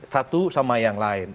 satu sama yang lain